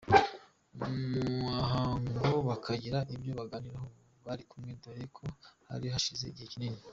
muhango bakagira ibyo baganiraho bari kumwe dore ko hari hashize igihe kinini.